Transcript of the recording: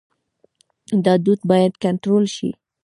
دا دود باید کنټرول شي.